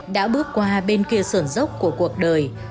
đã bước qua bên kia sườn dốc của cuộc đời